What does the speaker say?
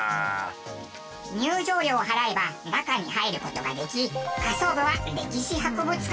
入場料を払えば中に入る事ができ下層部は歴史博物館。